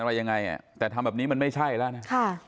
อะไรยังไงแต่ทำแบบนี้มันไม่ใช่แล้วนะ